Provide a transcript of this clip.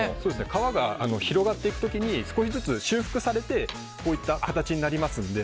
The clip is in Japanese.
皮が広がっていく時に少しずつ修復されてこういった形になりますので。